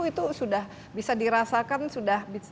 itu sudah bisa dirasakan sudah